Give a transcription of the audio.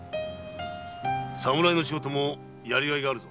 侍の仕事もやりがいがあるぞ。